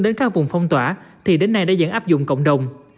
đến các vùng phong tỏa thì đến nay đã dần áp dụng cộng đồng